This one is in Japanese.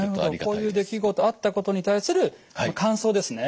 こういう出来事あったことに対する感想ですね